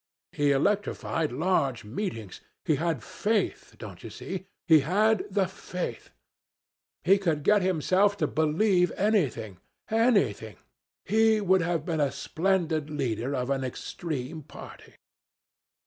He electrified large meetings. He had faith don't you see? he had the faith. He could get himself to believe anything anything. He would have been a splendid leader of an extreme party.'